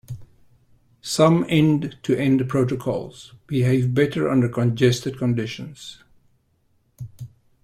Some end-to-end protocols behave better under congested conditions.